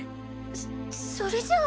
そそれじゃあ。